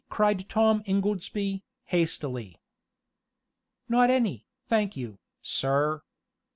cried Tom Ingoldsby, hastily. "Not any, thank you, sir.